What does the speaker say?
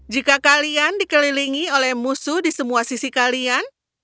jika kalian dikelilingi oleh musuh di semua sisi kalian